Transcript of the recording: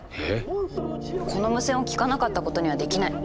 この無線を聞かなかったことにはできない。